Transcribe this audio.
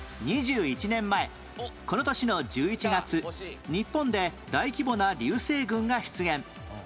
２１年前この年の１１月日本で大規模な流星群が出現